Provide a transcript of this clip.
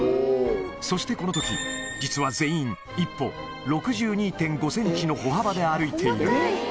そしてこのとき、実は全員、１歩６２．５センチの歩幅で歩いている。